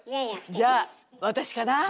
じゃあ私かなあ？